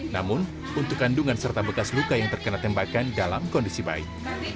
namun untuk kandungan serta bekas luka yang terkena tembakan dalam kondisi baik